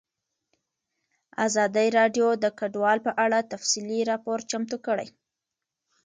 ازادي راډیو د کډوال په اړه تفصیلي راپور چمتو کړی.